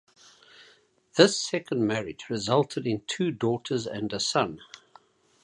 This second marriage resulted in two daughters and a son.